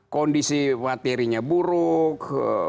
kondisi materinya buruk